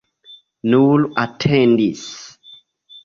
Nur atendis.